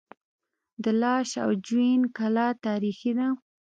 د لاش او جوین کلا تاریخي ده